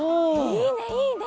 いいねいいね！